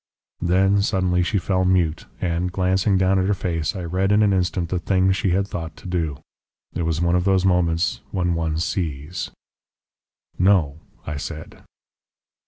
"Then suddenly she fell mute, and, glancing down at her face, I read in an instant the thing she had thought to do. It was one of those moments when one SEES. "'No!' I said.